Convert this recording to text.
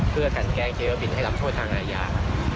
เพื่อกันแกล้งเจ๊บินให้รับโทษทางอาญา